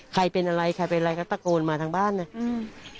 ใครเป็นอะไรก็ตะโกนมาทางบ้านเนี่ย